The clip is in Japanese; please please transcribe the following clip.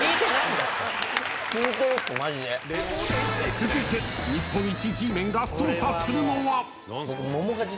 ［続いて日本一Ｇメンが捜査するのは］